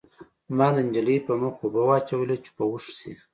ما د نجلۍ په مخ اوبه واچولې چې په هوښ شي